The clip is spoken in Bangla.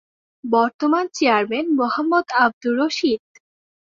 বর্তমান চেয়ারম্যান- মোহাম্মদ আব্দুর রশিদ